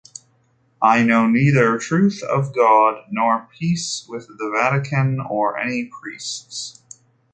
I know neither truth of God nor peace with the Vatican or any priests.